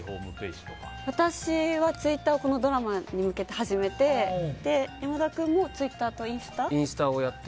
私はツイッターをこのドラマに向けて初めて山田君もツイッターとかインスタでやってて。